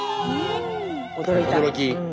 驚き！